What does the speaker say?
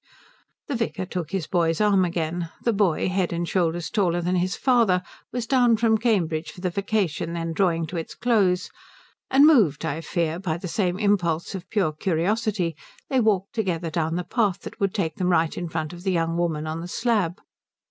The vicar took his boy's arm again the boy, head and shoulders taller than his father, was down from Cambridge for the vacation then drawing to its close and moved, I fear, by the same impulse of pure curiosity they walked together down the path that would take them right in front of the young woman on the slab.